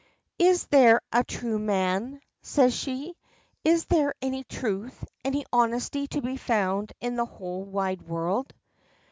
"Is there a true man?" says she. "Is there any truth, any honesty to be found in the whole wide world?"